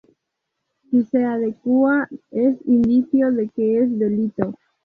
Si se adecua es indicio de que es delito.